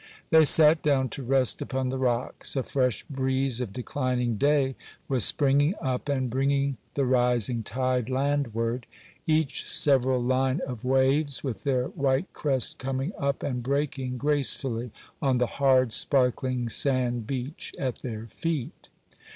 They sat down to rest upon the rocks. A fresh breeze of declining day was springing up, and bringing the rising tide landward,—each several line of waves with their white crest coming up and breaking gracefully on the hard, sparkling sand beach at their feet.